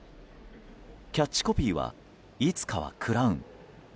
キャッチコピーはいつかはクラウン。